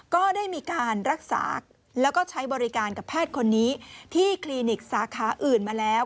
ก็ได้มีการรักษาแล้วก็ใช้บริการกับแพทย์คนนี้ที่คลินิกสาขาอื่นมาแล้ว